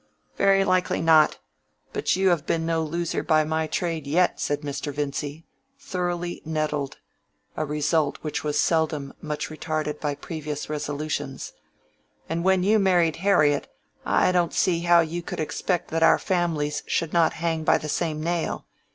"Very likely not; but you have been no loser by my trade yet," said Mr. Vincy, thoroughly nettled (a result which was seldom much retarded by previous resolutions). "And when you married Harriet, I don't see how you could expect that our families should not hang by the same nail.